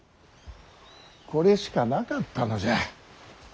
これしかなかったのじゃ。